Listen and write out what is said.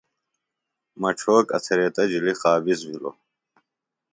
مڇھوک اڅھریتہ جُھلی قابض بِھلوۡ